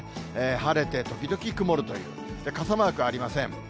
晴れて時々曇るという、傘マークありません。